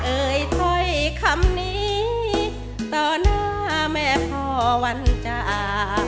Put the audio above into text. เอ่ยถอยคำนี้ต่อหน้าแม่พ่อว่ามึงจะอ่าน